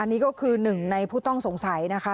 นี่ก็คือหนึ่งในผู้ต้องสงสัยนะคะ